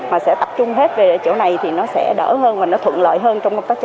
mà sẽ tập trung hết về chỗ này thì nó sẽ đỡ hơn và nó thuận lợi hơn